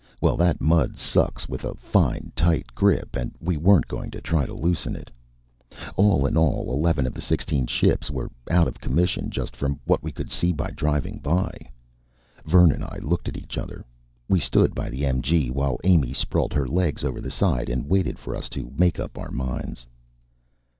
Well, that mud sucks with a fine tight grip, and we weren't going to try to loosen it. All in all, eleven of the sixteen ships were out of commission just from what we could see driving by. Vern and I looked at each other. We stood by the MG, while Amy sprawled her legs over the side and waited for us to make up our minds.